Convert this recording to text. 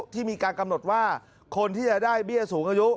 ที่มีการกำหนดว่าคนที่จะได้เบี้ยสูงอายุ